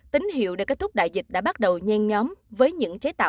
tín hiệu để kết thúc đại dịch đã bắt đầu nhen nhóm với những chế tạo